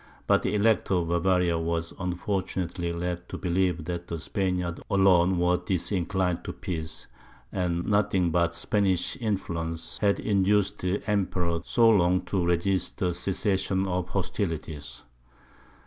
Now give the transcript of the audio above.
But the Elector of Bavaria was unfortunately led to believe that the Spaniards alone were disinclined to peace, and that nothing, but Spanish influence, had induced the Emperor so long to resist a cessation of hostilities.